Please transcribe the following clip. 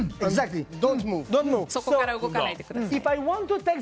そこから動かないでください。